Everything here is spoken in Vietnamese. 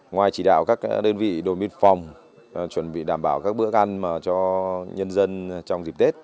ngoài chỉ đạo các đơn vị đồn biên phòng chuẩn bị đảm bảo các bữa ăn cho nhân dân trong dịp tết